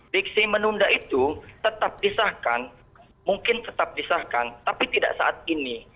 diksi menunda itu tetap disahkan mungkin tetap disahkan tapi tidak saat ini